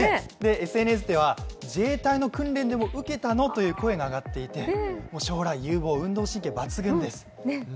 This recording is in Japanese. ＳＮＳでは自衛隊の訓練でも受けたの？という声も上がっていて将来有望、運動神経抜群です。